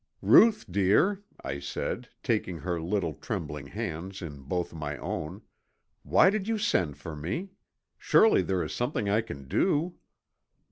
"Ruth, dear," I said, taking her little trembling hands in both my own, "why did you send for me? Surely there is something I can do!"